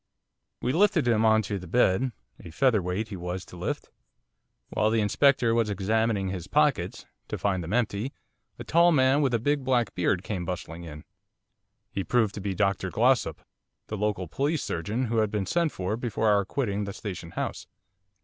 We lifted him on to the bed, a featherweight he was to lift. While the Inspector was examining his pockets to find them empty a tall man with a big black beard came bustling in. He proved to be Dr Glossop, the local police surgeon, who had been sent for before our quitting the Station House.